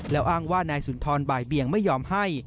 แล้วอ้างว่านายสุนทรบ่ายเบียงไม่ยอมให้